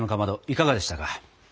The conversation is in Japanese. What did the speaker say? いかがでしたか？